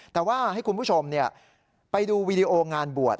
แต่ว่าให้คุณผู้ชมไปดูวีดีโองานบวช